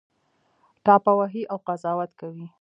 ټاپه وهي او قضاوت کوي